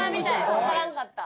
わからんかった。